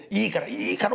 いいから！